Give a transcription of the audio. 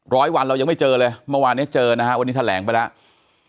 ร้อยวันเรายังไม่เจอเลยเมื่อวานนี้เจอนะฮะวันนี้แถลงไปแล้ว